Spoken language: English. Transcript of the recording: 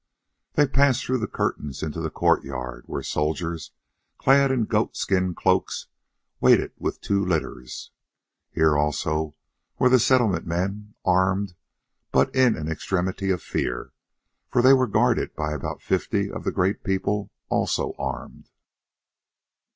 They passed through the curtains into the courtyard, where soldiers, clad in goat skin cloaks, waited with two litters. Here also were the Settlement men, armed, but in an extremity of fear, for they were guarded by about fifty of the Great People, also armed.